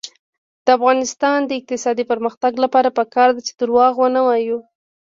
د افغانستان د اقتصادي پرمختګ لپاره پکار ده چې دروغ ونه وایو.